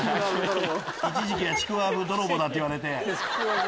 一時期はちくわぶ泥棒って言われて。